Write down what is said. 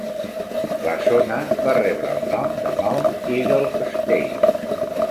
La zona va rebre el nom de Mount Eagle Estate.